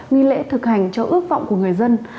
nghi lễ thực hành cho ước vọng của người dân